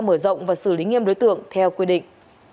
mở rộng và xử lý nghiêm đối tượng theo quy định